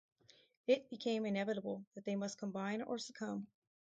It became inevitable that they must combine or succumb.